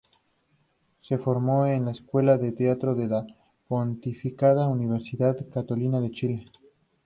Se formó en la Escuela de Teatro de la Pontificia Universidad Católica de Chile.